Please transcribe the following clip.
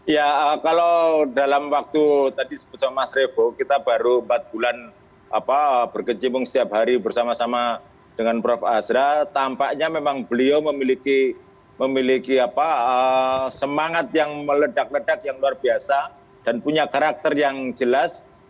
ya kalau dalam waktu tadi sebut sama mas revo kita baru empat bulan berkecimpung setiap hari bersama sama dengan prof asra tampaknya memang beliau memiliki semangat yang meledak ledak yang luar biasa dan punya karakter yang jelas